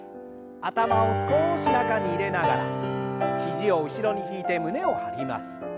頭を少し中に入れながら肘を後ろに引いて胸を張ります。